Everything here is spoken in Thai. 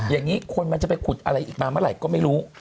อย่างนี้คนมันจะไปขุดอะไรอีกมาเมื่อไหร่ก็ไม่รู้